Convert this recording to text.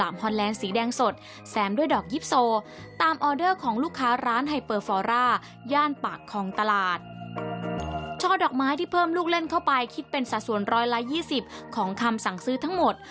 มีการรับส่งละ๑๒๐ของคำสั่งซื้อทั้งหมด